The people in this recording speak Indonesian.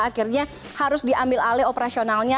akhirnya harus diambil alih operasionalnya